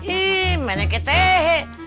ih banyak ke tehe